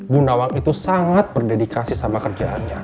bu nawang itu sangat berdedikasi sama kerjaannya